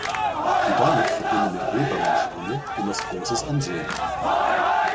Die damit verbundene Hebammenschule genoss großes Ansehen.